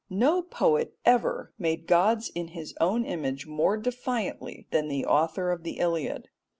No poet ever made gods in his own image more defiantly than the author of the Iliad.